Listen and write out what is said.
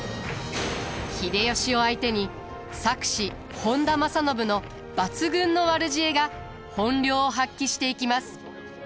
秀吉を相手に策士本多正信の抜群の悪知恵が本領を発揮していきます。